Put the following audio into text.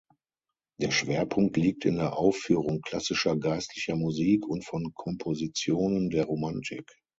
Der Schwerpunkt liegt in der Aufführung klassischer geistlicher Musik und von Kompositionen der Romantik.